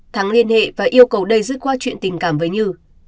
thắng liên hệ và yêu cầu đây rút qua chuyện tình cảm với như